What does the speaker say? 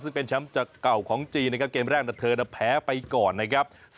ซึ่งเป็นแชมป์จากเก่าของจีนนะครับเกมแรกแต่เธอแพ้ไปก่อนนะครับ